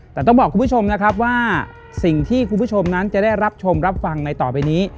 แต่ต้องบอกคุณผู้ชมนะครับว่าสิ่งที่คุณผู้ชมนั้นจะได้รับชมรับฟังในต่อไปนี้